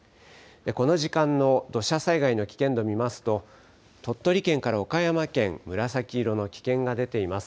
この時間の土砂災害の危険度見ますと、鳥取県から岡山県、紫色の危険が出ています。